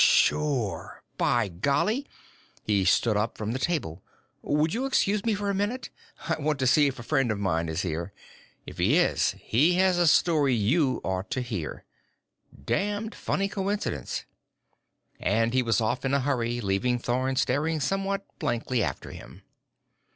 "Sure! By golly!" He stood up from the table. "Would you excuse me for a minute? I want to see if a friend of mine is here. If he is, he has a story you ought to hear. Damned funny coincidence." And he was off in a hurry, leaving Thorn staring somewhat blankly after him.